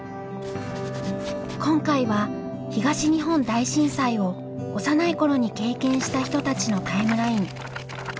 今回は東日本大震災を幼い頃に経験した人たちのタイムライン。